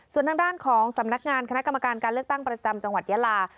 ส่วนทางด้านของสำนักงานคณะกรรมการการเลือกตั้งประจำจังหวัดยาลา